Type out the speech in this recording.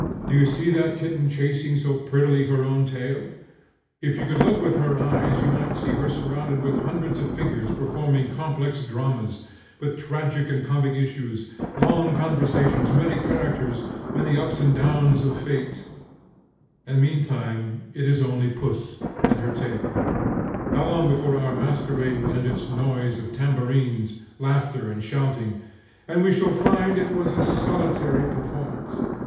Do you see that kitten chasing so prettily her own tail? If you could look with her eyes you might see her surrounded with hundreds of figures performing complex dramas, with tragic and comic issues, long conversations, many characters, many ups and downs of fate, and meantime it is only puss and her tail. How long before our masquerade will end its noise of tambourines, laughter, and shouting, and we shall find it was a solitary performance?